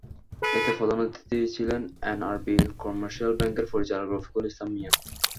এতে প্রধান অতিথি ছিলেন এনআরবি কমার্শিয়াল ব্যাংকের পরিচালক রফিকুল ইসলাম মিয়া।